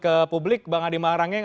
ke publik bang adi mangrangeng